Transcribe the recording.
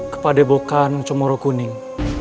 kepada bokan comoro kuning